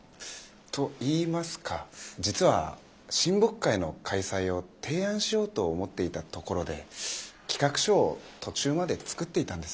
といいますか実は親睦会の開催を提案しようと思っていたところで企画書を途中まで作っていたんです。